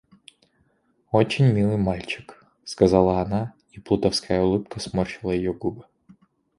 Очень милый мальчик, — сказала она, и плутовская улыбка сморщила ее губы.